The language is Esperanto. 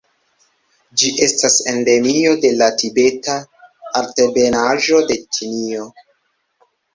Ĝi estas endemio de la Tibeta Altebenaĵo de Ĉinio.